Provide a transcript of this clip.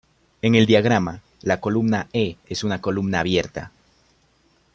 En el diagrama, la columna "e" es una columna abierta.